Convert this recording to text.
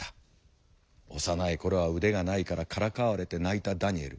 幼い頃は腕がないからからかわれて泣いたダニエル。